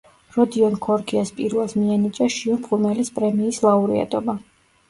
როდიონ ქორქიას პირველს მიენიჭა შიო მღვიმელის პრემიის ლაურეატობა.